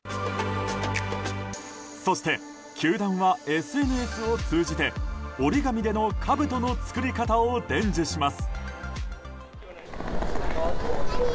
そして、球団はＳＮＳを通じて折り紙でのかぶとの作り方を伝授します。